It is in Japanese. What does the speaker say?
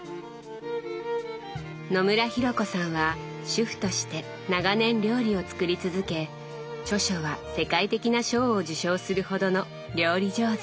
野村紘子さんは主婦として長年料理を作り続け著書は世界的な賞を受賞するほどの料理上手。